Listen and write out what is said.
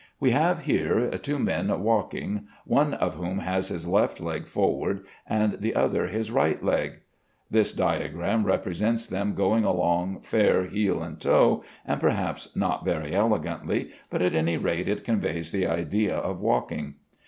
We have here two men walking, one of whom has his left leg forward and the other his right leg. This diagram represents them going along fair heel and toe, perhaps not very elegantly, but at any rate it conveys the idea of walking.